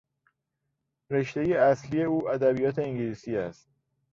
رشته اصلی او ادبیات انگلیسی است.